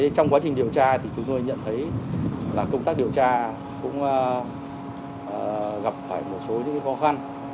trong quá trình điều tra chúng tôi nhận thấy công tác điều tra gặp một số khó khăn